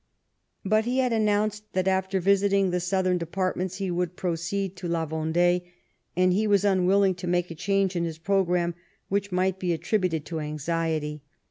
But he had announced that after visiting the southern depart ments he would proceed to La Vendee, and he was unr willing to make a change in his programme which might be attributed to anxiety.